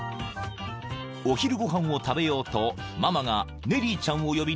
［お昼ご飯を食べようとママがネリーちゃんを呼びに２階へ］